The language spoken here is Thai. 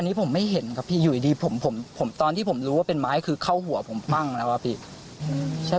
อันนี้ผมไม่เห็นครับพี่อยู่ดีผมตอนที่ผมรู้ว่าเป็นไม้คือเข้าหัวผมปั้งแล้วอะพี่